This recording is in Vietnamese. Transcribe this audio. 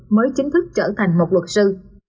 mới chính thức trở thành một luật sư